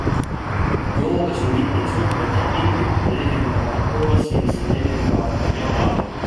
Joogas on mitmeid survet ja pingeid leevendavaid poose, mis leevendavad ka peavalu.